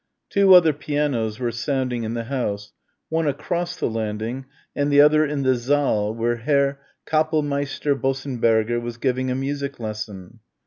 Two other pianos were sounding in the house, one across the landing and the other in the saal where Herr Kapellmeister Bossenberger was giving a music lesson.